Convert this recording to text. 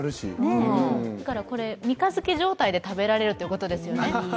だからこれ三日月状態で食べられるということですよね。